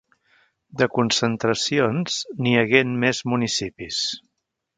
De concentracions, n’hi hagué en més municipis.